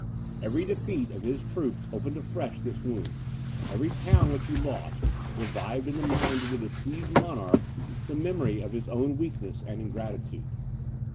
Every defeat of his troops opened afresh this wound; every town which he lost, revived in the mind of the deceived monarch the memory of his own weakness and ingratitude.